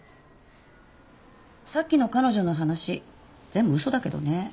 さっきの彼女の話全部嘘だけどね。